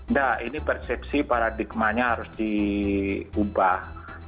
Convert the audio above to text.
enggak ini persepsi paradigmanya harus diubah